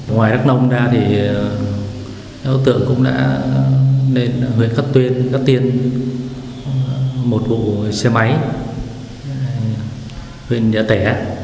ngoài đắk nông ra thì đối tượng cũng đã lên huyện cắt tuyên cắt tiên một vụ xe máy huyện nhã tẻ